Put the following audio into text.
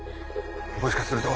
もしかすると。